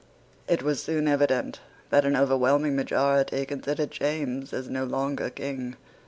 It was soon evident that an overwhelming majority considered James as no longer King.